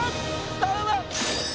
頼む！